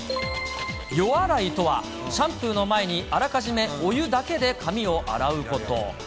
予洗いとは、シャンプーの前にあらかじめ、お湯だけで髪を洗うこと。